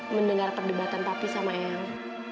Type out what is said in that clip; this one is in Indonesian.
mendengar perdebatan papi sama yang